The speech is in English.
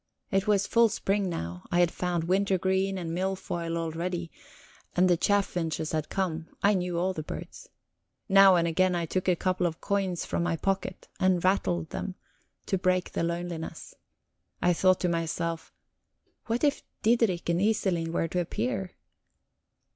It was full spring now; I had found wintergreen and milfoil already, and the chaffinches had come (I knew all the birds). Now and again I took a couple of coins from my pocket and rattled them, to break the loneliness. I thought to myself: "What if Diderik and Iselin were to appear!"